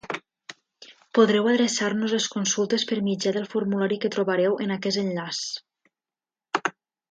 Podeu adreçar-nos les consultes per mitjà del formulari que trobareu en aquest enllaç.